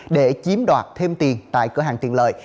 để chiếm đoạt thêm tiền tại cửa hàng tiện lợi